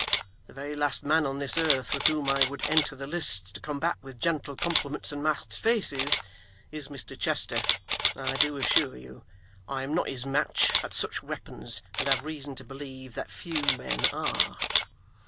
The very last man on this earth with whom I would enter the lists to combat with gentle compliments and masked faces, is Mr Chester, I do assure you. I am not his match at such weapons, and have reason to believe that few men are.